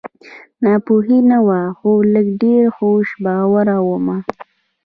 ناپوهي نه وه خو لږ ډېره خوش باوره ومه